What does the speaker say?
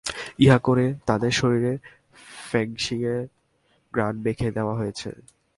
ইচ্ছা করে তাদের শরীরে ফেংশির ঘ্রাণ মেখে দেয়া হয়েছে।